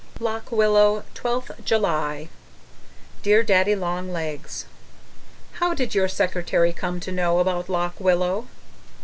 LOCK WILLOW, 12th July Dear Daddy Long Legs, How did your secretary come to know about Lock Willow?